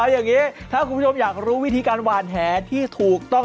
อย่างนี้ถ้าคุณผู้ชมอยากรู้วิธีการหวานแหที่ถูกต้อง